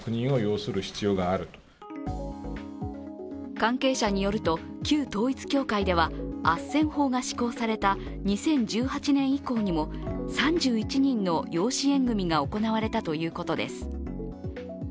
関係者によると、旧統一教会ではあっせん法が施行された２０１８年以降にも３１人の養子縁組が行われたということです。